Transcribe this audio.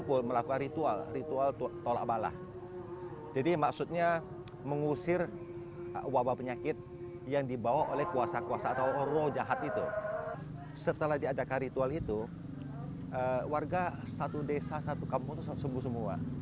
para peserta pawai pun memberikan angpau dari atas mobil